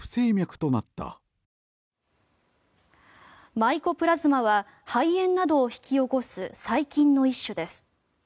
マイコプラズマは肺炎などを引き起こす細菌の一種です。